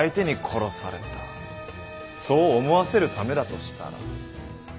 そう思わせるためだとしたら。